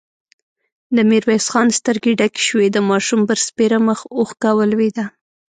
د ميرويس خان سترګې ډکې شوې، د ماشوم پر سپېره مخ اوښکه ولوېده.